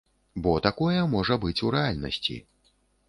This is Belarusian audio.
Бо такое можа быць у рэальнасці.